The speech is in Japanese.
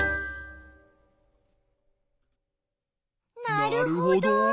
なるほど。